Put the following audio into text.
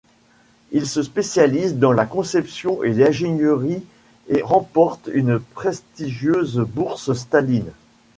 Il se spécialise dans la conception et l'ingénierie et remporte une prestigieuse bourse Staline.